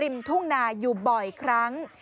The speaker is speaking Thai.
ทุ่งนาอยู่บ่อยครั้ง